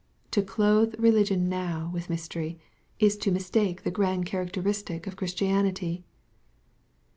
To clothe religion now with mystery, is to mistake the* grand characteristic of Christianity.